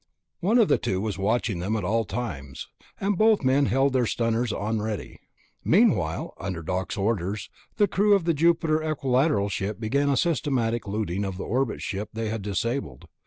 One of the two was watching them at all times, and both men held their stunners on ready. Meanwhile, under Doc's orders, the crew of the Jupiter Equilateral ship began a systematic looting of the orbit ship they had disabled.